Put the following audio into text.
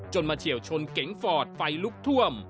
มาเฉียวชนเก๋งฟอร์ดไฟลุกท่วม